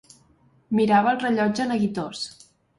Mirava el rellotge neguitós